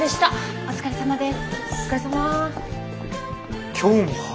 お疲れさまです。